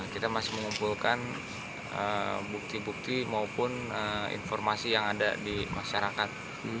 kita masih mengumpulkan bukti bukti maupun informasi yang ada di masyarakat